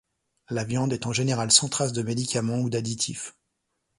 La viande est en général sans trace de médicaments ou d'additifs.